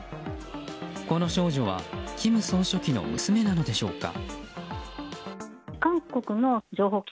この少女は金総書記の娘なのでしょうか。